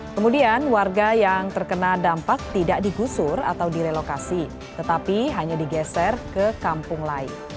kemudian warga yang terkena dampak tidak digusur atau direlokasi tetapi hanya digeser ke kampung lain